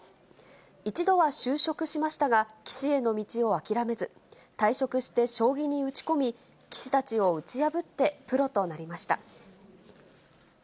一度は就職しましたが、棋士への道を諦めず、退職して将棋に打ち込み、棋士たちを打ち破って、プロとなりました。